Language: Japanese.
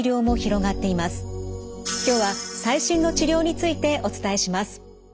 今日は最新の治療についてお伝えします。